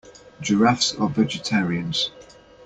Giraffes are vegetarians.